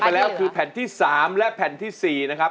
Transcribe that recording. ไปแล้วคือแผ่นที่๓และแผ่นที่๔นะครับ